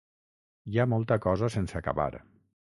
Hi ha molta cosa sense acabar.